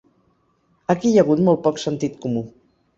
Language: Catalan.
Aquí hi ha hagut molt poc sentit comú.